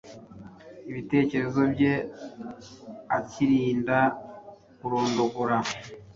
ibitekerezo bye, akirinda kurondogora